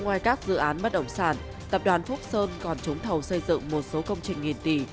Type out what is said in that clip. ngoài các dự án bất động sản tập đoàn phúc sơn còn trúng thầu xây dựng một số công trình nghìn tỷ